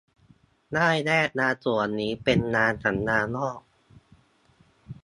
ได้แยกงานส่วนนี้เป็นงานนอกสัญญา